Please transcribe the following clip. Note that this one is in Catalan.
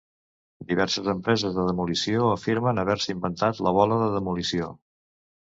Diverses empreses de demolició afirmen haver-se inventat la bola de demolició.